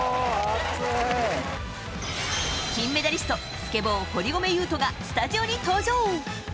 金メダリスト、スケボー堀米雄斗がスタジオに登場。